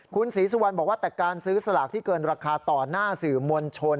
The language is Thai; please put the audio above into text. คุณศรีสุวรรณบอกว่าแต่การซื้อสลากที่เกินราคาต่อหน้าสื่อมวลชน